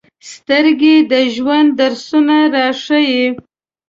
سترګې د ژوند درسونه راښيي